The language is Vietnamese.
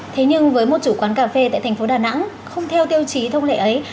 thế nhưng với một chủ quán cà phê tại thành phố đà nẵng không theo tiêu chí thông lệ ấy